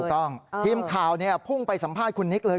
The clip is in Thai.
ถูกต้องทีมข่าวพุ่งไปสัมภาษณ์คุณนิกเลย